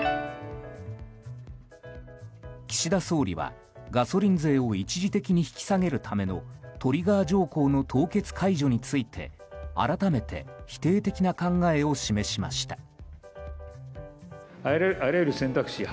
岸田総理は、ガソリン税を一時的に引き下げるためのトリガー条項の凍結解除について改めて否定的な考えを示しました。